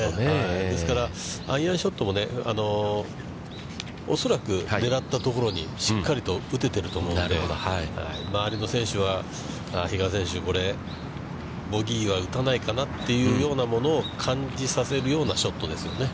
ですから、アイアンショットもね、恐らく狙ったところにしっかりと打てていると思うんで、周りの選手は、比嘉選手、これ、ボギーは打たないかなというようなものを感じさせるようなショットですよね。